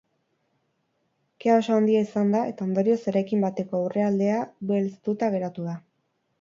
Kea oso handia izan da eta ondorioz eraikin bateko aurrealdea belztuta geratu da.